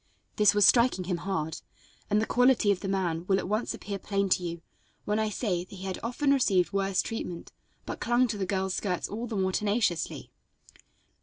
This was striking him hard, and the quality of the man will at once appear plain to you when I say that he had often received worse treatment, but clung to the girl's skirts all the more tenaciously.